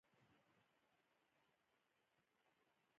باسواده میندې د خپلو ماشومانو استعدادونه پیژني.